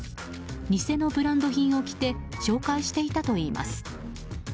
偽のブランド品を着て紹介していたといいます。